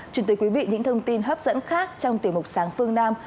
chuyển tới quý vị những thông tin hấp dẫn khác trong tiểu mục sáng phương nam